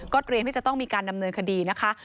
ก็เตรียมว่ามันจะต้องมีการนำเนินคดีนะคะ